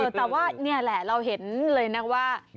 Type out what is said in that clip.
เฮ้อแต่ว่านี้แหละเราเห็นเลยนะ